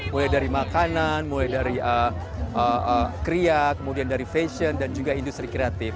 mulai dari makanan mulai dari kria kemudian dari fashion dan juga industri kreatif